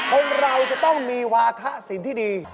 เพราะเราจะต้องมีวาถะสินที่ดี